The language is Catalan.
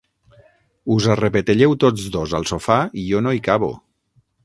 Us arrepetelleu tots dos al sofà i jo no hi cabo.